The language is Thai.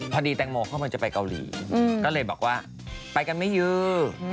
พอดีตั้งโมเขาออกไปจะไปเกาหลีก็เลยบอกว่าไปกันไหมยู